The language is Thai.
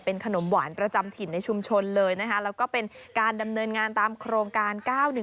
ขนมหวานประจำถิ่นในชุมชนเลยนะคะแล้วก็เป็นการดำเนินงานตามโครงการ๙๑